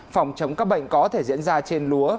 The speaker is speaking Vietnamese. phòng chống các bệnh có thể diễn ra trên lúa